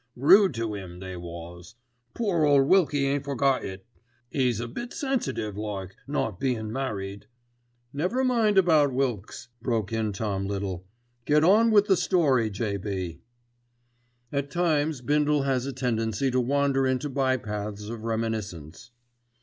Rude to 'im they was. Poor ole Wilkie ain't forgot it, 'e's a bit sensitive like, not bein' married." "Never mind about Wilkes," broke in Tom Little. "Get oh with the story, J.B." At times Bindle has a tendency to wander into by paths of reminiscence.